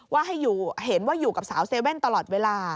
ว่าให้เห็นว่าอยู่กับสาวเซเว่นตลอดเวลา